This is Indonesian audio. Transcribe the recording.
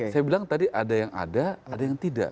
saya bilang tadi ada yang ada ada yang tidak